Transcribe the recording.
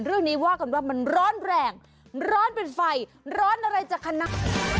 เรื่องนี้ว่ากันว่ามันร้อนแรงร้อนเป็นไฟร้อนอะไรจากคณะ